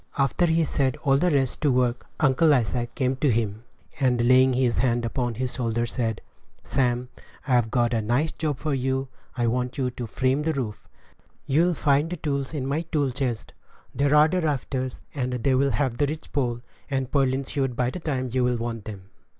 After he had set all the rest to work, Uncle Isaac came to him, and laying his hand upon his shoulder, said, "Sam, I've got a nice job for you; I want you to frame the roof; you'll find tools in my tool chest. There are the rafters, and they will have the ridge pole and purlins hewed by the time you will want them."